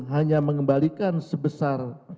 hanya mengembalikan sebesar